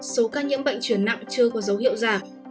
số ca nhiễm bệnh chuyển nặng chưa có dấu hiệu giảm